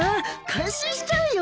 感心しちゃうよ。